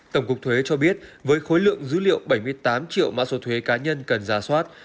thuế cho biết với khối lượng dữ liệu bảy mươi tám triệu mã số thuế cá nhân cần giá soát